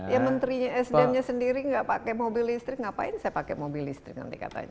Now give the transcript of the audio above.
ya menterinya sdm nya sendiri nggak pakai mobil listrik ngapain saya pakai mobil listrik nanti katanya